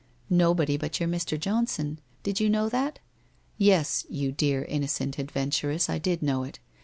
Nobody but your Mr. Johnson. Did you know that? '' Yes, you dear innocent adventuress, I did know it.